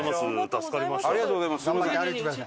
ありがとうございます。